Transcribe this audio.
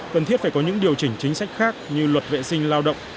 cần thiết phải có những điều chỉnh chính sách khác như luật vệ sinh lao động